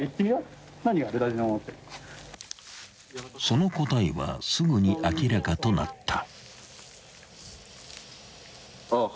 ［その答えはすぐに明らかとなった］